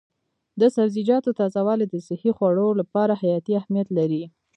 د سبزیجاتو تازه والي د صحي خوړو لپاره حیاتي اهمیت لري.